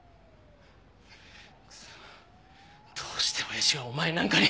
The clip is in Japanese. クソッどうして親父はお前なんかに！